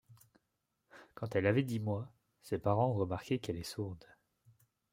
Quand elle avait dix mois, ses parents ont remarqué qu'elle est sourde.